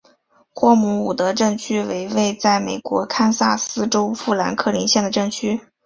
霍姆伍德镇区为位在美国堪萨斯州富兰克林县的镇区。